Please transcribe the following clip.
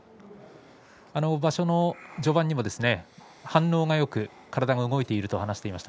場所の序盤には反応がよく体が動いていると話していました。